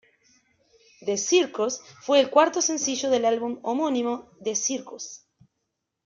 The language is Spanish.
The Circus fue el cuarto sencillo del álbum homónimo The Circus.